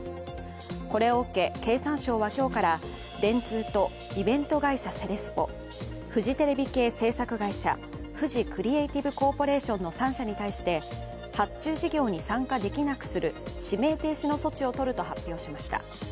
これを受け、経産省は今日から電通とイベント会社セレスポフジテレビ系制作会社フジクリエイティブコーポレーションの３社に対して発注事業に参加できなくする指名停止の措置を取ると発表しました。